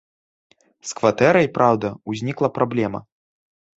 З кватэрай, праўда, узнікла праблема.